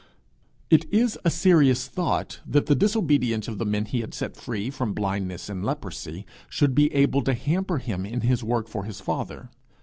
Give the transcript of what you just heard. It is a serious thought that the disobedience of the men he had set free from blindness and leprosy should be able to hamper him in his work for his father.